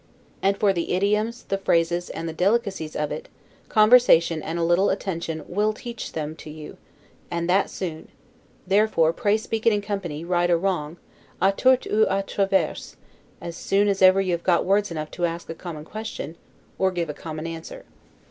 And for the idioms, the phrases, and the delicacies of it, conversation and a little attention will teach them you, and that soon; therefore, pray speak it in company, right or wrong, 'a tort ou a travers', as soon as ever you have got words enough to ask a common question, or give a common answer.